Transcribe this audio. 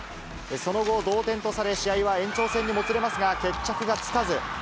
その後、同点とされ、試合は延長戦にもつれますが、決着がつかず。